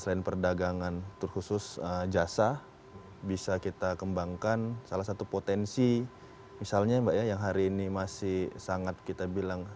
dan perdagangan khusus jasa bisa kita kembangkan salah satu potensi misalnya yang hari ini masih sangat kita bilang